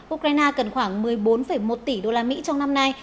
ukraine cần khoảng một mươi bốn một tỷ đô la mỹ trong năm nay